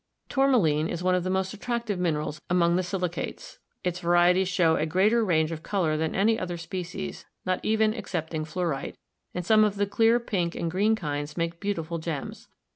Tourmaline is one of the most attractive minerals among the silicates; its varieties show a greater range of color than any other species, not even excepting fluorite, and some of the clear pink and green kinds make beauti ful gems.